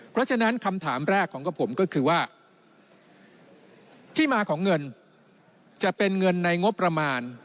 เพราะฉะนั้นคำถามแรกของกับผมก็คือว่าที่มาของเงินจะเป็นเงินในงบประมาณ